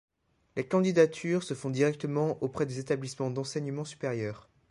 Les candidatures se font directement auprès des établissements d’enseignement supérieur.